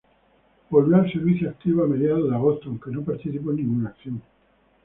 Volvió al servicio activo a mediados de agosto, aunque no participó en ninguna acción.